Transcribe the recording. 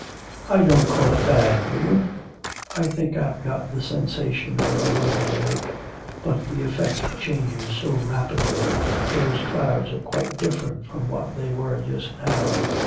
'I don't call it bad, do you? I think I've got the sensation of the lonely lake. But the effect changes so rapidly. Those clouds are quite different from what they were just now.